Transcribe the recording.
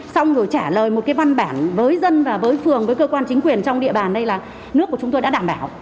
xong rồi trả lời một cái văn bản với dân và với phường với cơ quan chính quyền trong địa bàn đây là nước của chúng tôi đã đảm bảo